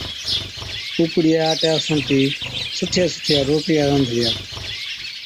ڪُوڪڙِيئَي آٽَي اوسڻتِي سُٺِيا سُٺِيا روٽِيا رانڌلِيا۔